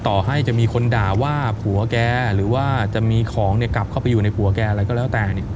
ต่อให้จะมีคนด่าว่าผัวแกหรือว่าจะมีของกลับเข้าไปอยู่ในผัวแกอะไรก็แล้วแต่